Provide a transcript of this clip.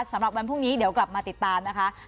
สำหรับวันพรุ่งนี้เดี๋ยวกลับมาติดตามนะคะ